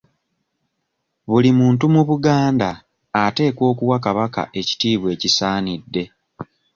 Buli muntu mu Buganda ateekwa okuwa Kabaka ekitiibwa ekisaanidde.